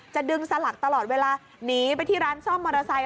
ดึงสลักตลอดเวลาหนีไปที่ร้านซ่อมมอเตอร์ไซค